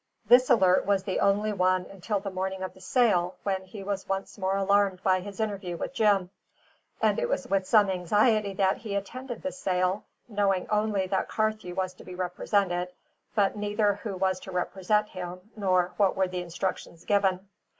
This alert was the only one until the morning of the sale, when he was once more alarmed by his interview with Jim; and it was with some anxiety that he attended the sale, knowing only that Carthew was to be represented, but neither who was to represent him nor what were the instructions given.